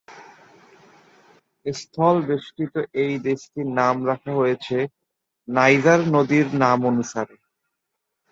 স্থলবেষ্টিত এই দেশটির নাম রাখা হয়েছে নাইজার নদীর নামানুসারে।